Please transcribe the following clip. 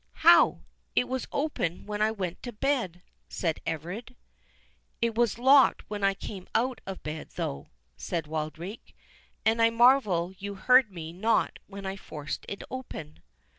"How! it was open when I went to bed," said Everard. "It was locked when I came out of bed, though," said Wildrake, "and I marvel you heard me not when I forced it open."